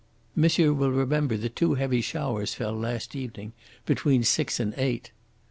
Monsieur will remember that two heavy showers fell last evening between six and eight."